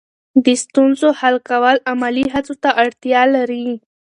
د ستونزو حل کول عملي هڅو ته اړتیا لري.